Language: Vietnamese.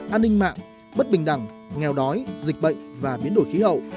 an ninh mạng bất bình đẳng nghèo đói dịch bệnh và biến đổi khí hậu